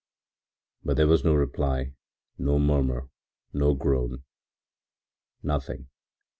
But there was no reply, no murmur, no groan, nothing.